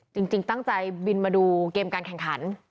จริงตั้งใจบินมาดูเกมการแข่งขัน